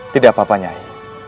tidak apa apanya nyi